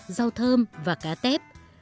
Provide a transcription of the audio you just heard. rau thơm và cá tép